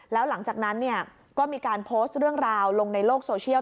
แล้วหลังจากนั้นก็มีการโพสต์เรื่องราวลงในโลกโซเชียล